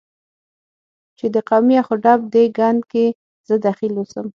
چې د قومي اخ و ډب دې ګند کې زه دخیل اوسم،